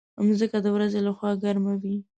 مځکه د ورځې له خوا ګرمه وي.